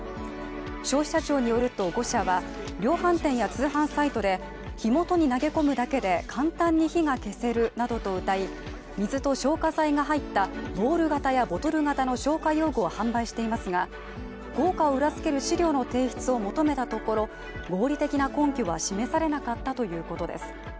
消費者庁によると５社は量販店や通販サイトで火元に投げ込むだけで簡単に火が消せるなどと謳い、水と消火剤が入ったボール型やボトル型の消火用具を販売していますが、効果を裏付ける資料の提出を求めたところ、合理的な根拠は示されなかったということです。